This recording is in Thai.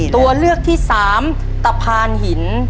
ตัวเลือกที่สามตะพานหิน